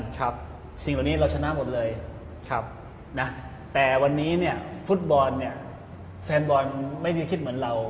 ทั้งหมดเลยนะแต่วันนี้เนี่ยฟุตบอลเนี่ยแฟนบอลไม่ได้คิดเหมือนเรา